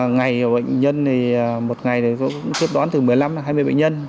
ngày bệnh nhân thì một ngày tôi cũng tiếp đón từ một mươi năm đến hai mươi bệnh nhân